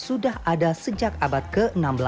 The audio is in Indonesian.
sudah ada sejak abad ke enam belas